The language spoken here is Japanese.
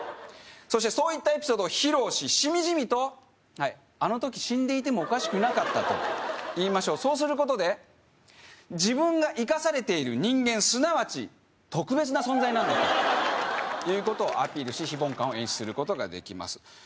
そしてそういったエピソードを披露ししみじみと「あの時死んでいてもおかしくなかった」と言いましょうそうすることで自分が生かされている人間すなわち特別な存在なんだということをアピールし非凡感を演出することができます